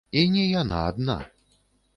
І не яна адна.